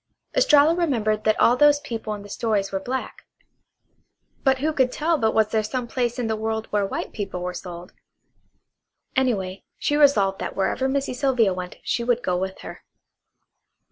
Estralla remembered that all those people in the stories were black; but who could tell but what there was some place in the world where white people were sold? Anyway, she resolved that wherever Missy Sylvia went she would go with her.